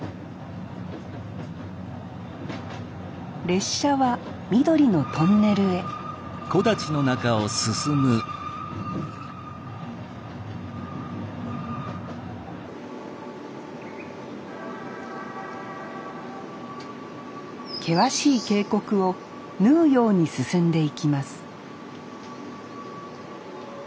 列車は緑のトンネルへ険しい渓谷を縫うように進んでいきます